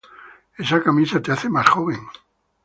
Esa camisa te hace más joven.